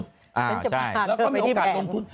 ใช่แล้วก็มีโอกาสลงทุน